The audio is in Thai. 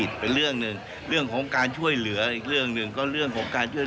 ไม่ได้หมายถึงการดูแลให้ความช่วยเหลือนักท่องเที่ยวชาวจีนค่ะ